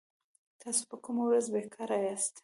تاسو په کومه ورځ بي کاره ياست